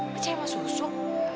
percaya sama susuk